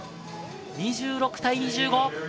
２６対２５。